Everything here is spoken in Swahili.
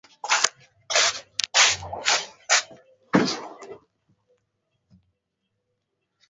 elfu mbili alipewa kazi ya Mkuu wa WilayaNi mpenzi wa michezo ya klabu